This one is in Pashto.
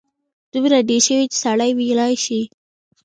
دومره ډېر شوي چې سړی ویلای شي.